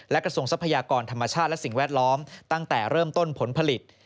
กระทรวงทรัพยากรธรรมชาติและสิ่งแวดล้อมตั้งแต่เริ่มต้นผลผลิต